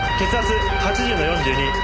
血圧８４の４０。